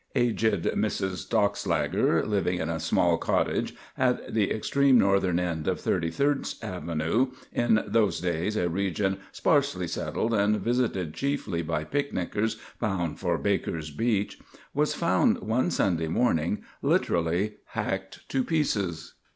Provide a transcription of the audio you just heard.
Aged Mrs. Stockslager, living in a small cottage at the extreme northern end of Thirty third Avenue in those days a region sparsely settled and visited chiefly by picknickers bound for Baker's Beach was found one Sunday morning literally hacked to pieces.